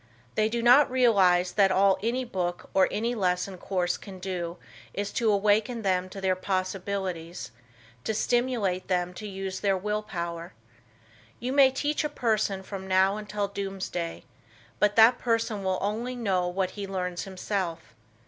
They do not realize that all any book or any lesson course can do is to awaken them to their possibilities; to stimulate them to use their will power. You may teach a person from now until doom's day, but that person will only know what he learns himself.